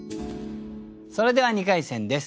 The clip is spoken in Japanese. それでは２回戦です。